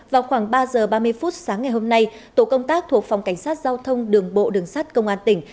vào khoảng ba giờ ba mươi phút sáng ngày hôm nay tổ công tác thuộc phòng cảnh sát giao thông đường bộ đường sát công an tỉnh